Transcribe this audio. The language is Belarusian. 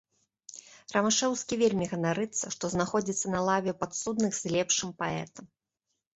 Рымашэўскі вельмі ганарыцца, што знаходзіцца на лаве падсудных з лепшым паэтам.